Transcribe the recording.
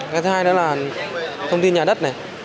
cái thứ hai đó là thông tin nhà đất